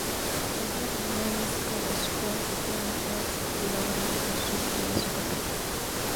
Es la primera vez que los Foo Fighters logran esto en toda su carrera.